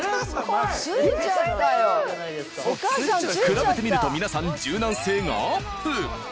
比べてみると皆さん柔軟性がアップ！